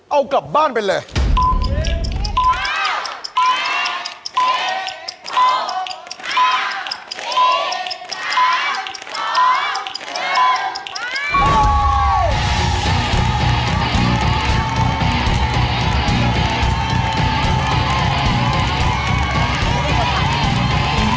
เอากลับบ้านไปเลย